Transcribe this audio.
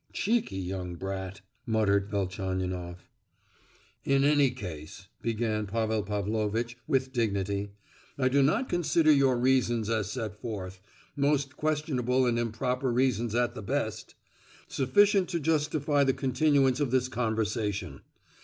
"Cheeky young brat!" muttered Velchaninoff. "In any case," began Pavel Pavlovitch, with dignity, "I do not consider your reasons as set forth—most questionable and improper reasons at the best—sufficient to justify the continuance of this conversation.